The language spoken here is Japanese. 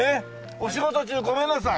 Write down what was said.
お仕事中ごめんなさい。